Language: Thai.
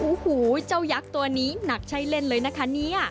โอ้โหเจ้ายักษ์ตัวนี้หนักใช้เล่นเลยนะคะเนี่ย